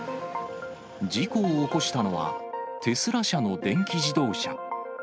事故を起こしたのは、テスラ社の電気自動車。